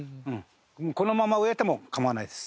このまま植えても構わないです。